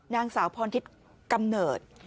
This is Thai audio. นางสาวพรทิพย์กำเนิด